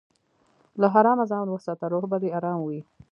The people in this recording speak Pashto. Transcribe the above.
له حرامه ځان وساته، روح به دې ارام وي.